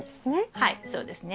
はいそうですね。